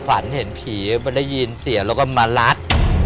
ฝันเห็นผีมันได้ยินเสียงแล้วก็มารัด